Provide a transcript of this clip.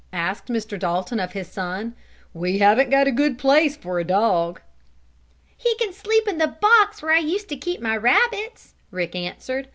asked Mr. Dalton of his son. "We haven't a good place for a dog." "He can sleep in the box where I used to keep my rabbits," Rick answered.